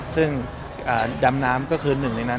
ซึ่งดำน้ำก็คือหนึ่งในนั้น